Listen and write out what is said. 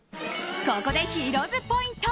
ここで、ヒロ’ｓポイント。